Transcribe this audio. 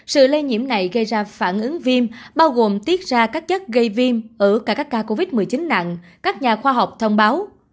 sự lây nhiễm này gây ra phản ứng viêm bao gồm tiết ra các chất gây viêm ở cả các ca covid một mươi chín nặng các nhà khoa học thông báo